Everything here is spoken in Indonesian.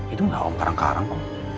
itu enggak om karang karang om